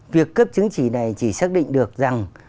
việc cấp chứng chỉ này chỉ xác định được rằng